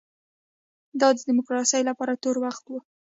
دا د ډیموکراسۍ لپاره تور وخت و.